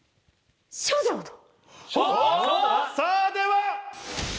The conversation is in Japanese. さぁでは。